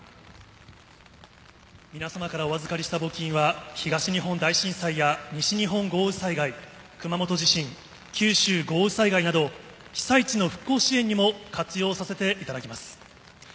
皆様からお預かりした募金は、東日本大震災や西日本豪雨災害、熊本地震、九州豪雨災害など被災地の復興支援にも活用させていただきます。